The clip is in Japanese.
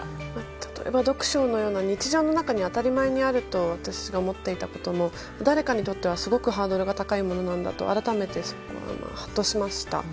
例えば、読書のような日常の中に当たり前にあると私が思っていたことも誰かにとってはすごくハードルが高いものなんだと改めてハッとしました。